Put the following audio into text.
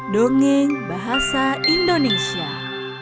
dongeng bahasa indonesia